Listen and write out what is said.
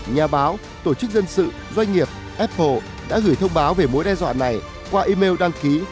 nhà báo tổ chức dân sự doanh nghiệp apple đã gửi thông báo về mối đe dọa này qua email đăng ký